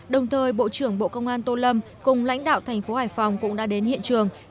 đồng thời bộ trưởng bộ công an tô lâm cùng lãnh đạo thành phố hải phòng cũng đã đến hiện trường